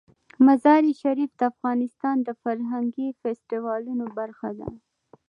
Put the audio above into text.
مزارشریف د افغانستان د فرهنګي فستیوالونو برخه ده.